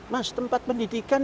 mas tempat pendidikan